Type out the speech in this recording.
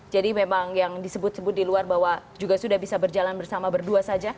jadi memang yang disebut sebut di luar bahwa juga sudah bisa berjalan bersama berdua saja